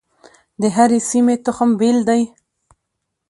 د هرې سیمې تخم بیل دی.